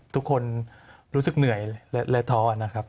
ทุกคนรู้สึกเหนื่อยและท้อนะครับ